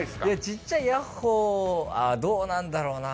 ちっちゃいヤッホーどうなんだろうな？